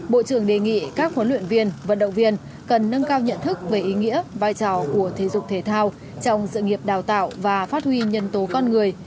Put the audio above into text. bộ trưởng đề nghị các huấn luyện viên vận động viên cần nâng cao nhận thức về ý nghĩa vai trò của thể dục thể thao trong sự nghiệp đào tạo và phát huy nhân tố con người